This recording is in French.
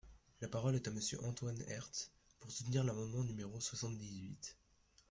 La parole est à Monsieur Antoine Herth, pour soutenir l’amendement numéro soixante-dix-huit.